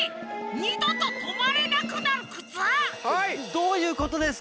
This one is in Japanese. どういうことですか？